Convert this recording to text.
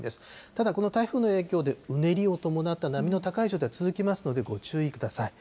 ただこの台風の影響で、うねりを伴った波の高い状態、続きますので、ご注意ください。